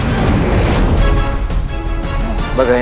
bagaimana keadaannya nyai